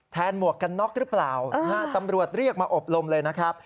หมวกกันน็อกหรือเปล่าตำรวจเรียกมาอบรมเลยนะครับ